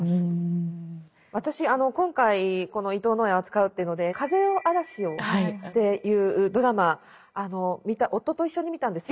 私今回この伊藤野枝を扱うっていうので「風よあらしよ」というドラマ夫と一緒に見たんですよ。